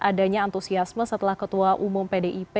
adanya antusiasme setelah ketua umum pdip